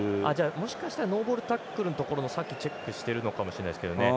もしかしたらノーゴールタックルのところもチェックしてるのかもしれないですね。